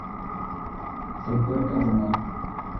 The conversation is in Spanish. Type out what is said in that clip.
Sector Cardonal